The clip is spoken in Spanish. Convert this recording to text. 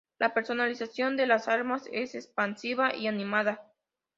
La personalización de las armas es expansiva y animada.